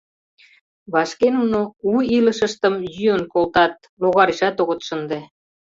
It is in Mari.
Вашке нуно «У илышыштым» йӱын колтат, логарешат огыт шынде...